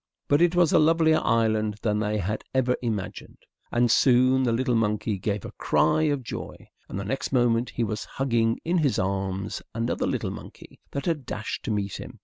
But it was a lovelier island than they had ever imagined, and soon the little monkey gave a cry of joy, and the next moment he was hugging in his arms another little monkey that had dashed to meet him.